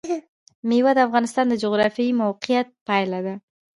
مېوې د افغانستان د جغرافیایي موقیعت پایله ده.